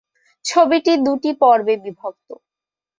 ছবিটি দুটি পর্বে বিভক্ত।